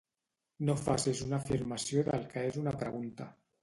No facis una afirmació del que és una pregunta